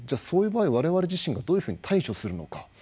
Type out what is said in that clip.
そういう場合我々自身がどういうふうに対処するのか。